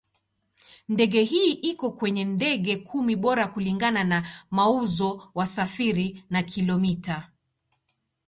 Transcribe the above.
Ndege hii iko kwenye ndege kumi bora kulingana na mauzo, wasafiri na kilomita.